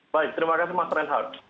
baik terima kasih mas reinhardt